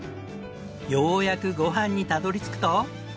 ようやくごはんにたどり着くと。